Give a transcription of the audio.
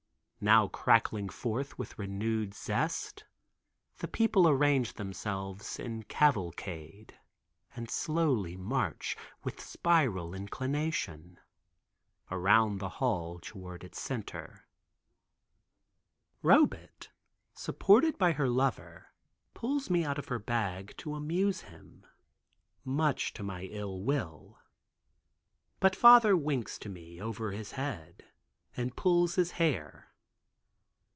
Now crackling forth with renewed zest, the people arrange themselves in cavalcade, and slowly march, with spiral inclination, around the hall, towards its center. Robet, supported by her lover, pulls me out of her bag to amuse him, much to my ill will. But father winks to me over his head, and pulls his hair.